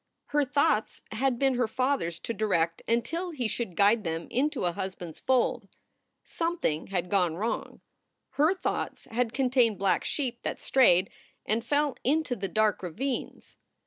Her thoughts had been her father s to direct until he should guide them into a husband s fold. Something had gone wrong. Her thoughts had contained black sheep that strayed and fell into the dark ravines.